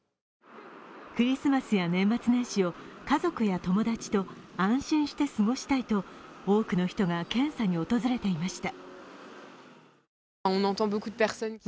クリスマスや年末年始を家族や友達と安心して過ごしたいと多くの人が検査に訪れていました。